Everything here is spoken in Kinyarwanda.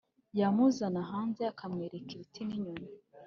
yamuzana hanze akamwereka ibiti ninyoni.